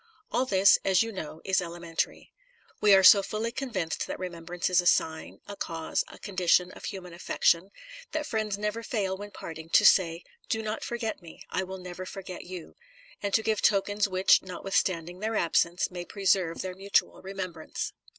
All this, as you know, is ele mentary. We are so fully convinced that remembrance is a sign, a cause, a condition of human affection, that friends never fail when parting to say: " Do not forget me; I 274 The Sign of the Cross will never forget you ;" and to give tokens which, notwithstanding their absence, may preserve their mutual remembrance.